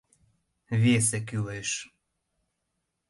Весе кӱлеш!